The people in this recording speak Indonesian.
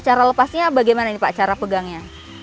cara lepasnya bagaimana nih pak cara pegangnya